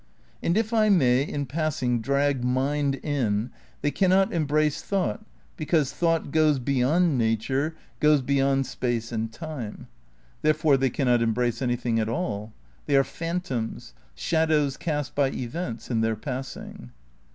And if I may, in passing, drag mind in, they cannot embrace thought, because thought goes beyond nature, goes beyond space and time. Therefore they cannot embrace anything at all. They are phantoms, shadows cast by events in their passing.